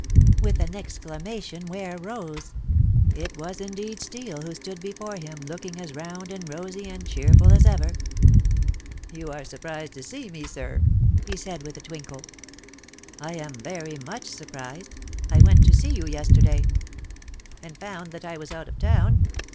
With an exclamation Ware rose. It was indeed Steel who stood before him looking as round and rosy and cheerful as ever. "You are surprised to see me, sir," he said, with a twinkle. "I am very much surprised. I went to see you yesterday " "And found that I was out of town.